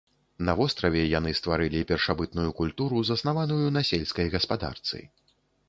На востраве яны стварылі першабытную культуру заснаваную на сельскай гаспадарцы.